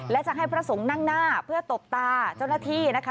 และจะให้พระสงฆ์นั่งหน้าเพื่อตบตาเจ้าหน้าที่นะคะ